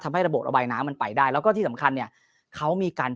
ระบบระบายน้ำมันไปได้แล้วก็ที่สำคัญเนี่ยเขามีการ